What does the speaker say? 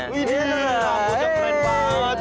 wih rambutnya keren banget